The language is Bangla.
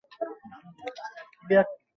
আমরা এখানে থাকলে কোনো সমস্যা নেই তো?